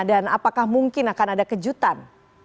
dan apakah mungkin akan ada kejutan